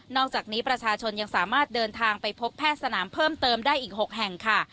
อกจากนี้ประชาชนยังสามารถเดินทางไปพบแพทย์สนามเพิ่มเติมได้อีก๖แห่งค่ะ